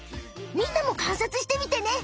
みんなもかんさつしてみてね！